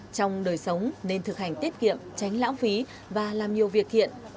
trong đời sống nên thực hành tiết kiệm tránh lãng phí và làm nhiều việc thiện